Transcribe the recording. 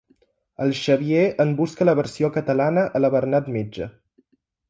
El Xavier en busca la versió catalana a la Bernat Metge.